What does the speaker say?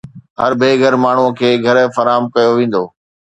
هر بي گهر ماڻهو کي گهر فراهم ڪيو ويندو.